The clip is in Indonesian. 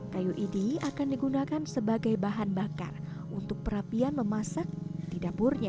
kayu ini akan digunakan sebagai bahan bakar untuk perapian memasak di dapurnya